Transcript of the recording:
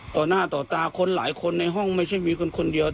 ต่อหน้าต่อตาคนหลายคนในห้องไม่ใช่มีคนคนเดียว